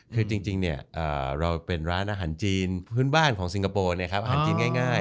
คือจริงเราเป็นร้านอาหารจีนพื้นบ้านของสิงคโปร์อาหารจีนง่าย